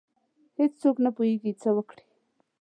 هیڅ څوک نه پوهیږي څه وکړي.